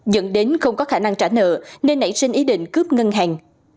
dẫn đến không có khả năng trả nợ nên nảy sinh ý định cướp ngân hàng